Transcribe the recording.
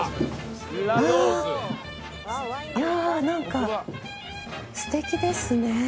何かすてきですね。